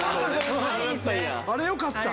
あれ良かった。